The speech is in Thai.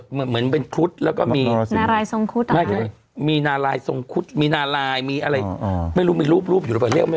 เหมือนเหมือนเป็นครุฑแล้วก็มีนาลายทรงครุฑมีนาลายทรงครุฑมีนาลายมีอะไรไม่รู้มีรูปรูปอยู่แล้ว